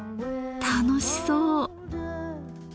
楽しそう。